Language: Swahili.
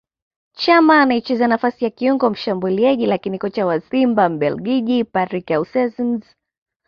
Chama anayecheza nafasi ya kiungo mshambuliaji lakini Kocha wa Simba Mbelgiji Patrick Aussems